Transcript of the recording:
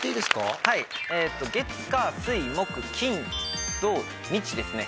月火水木金土日ですね。